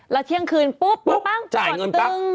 ละที่งคืนปุ๊บปุ๊บจ่ายเงินป้าม